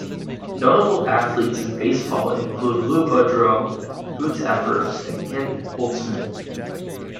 Notable athletes in baseball include Lou Boudreau, Hoot Evers and Ken Holtzman.